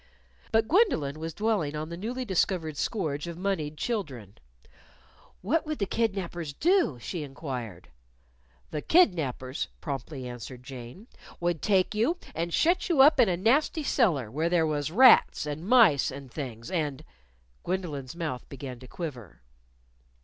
But Gwendolyn was dwelling on the newly discovered scourge of moneyed children. "What would the kidnapers do?" she inquired. "The kidnapers," promptly answered Jane, "would take you and shut you up in a nasty cellar, where there was rats and mice and things and " Gwendolyn's mouth began to quiver.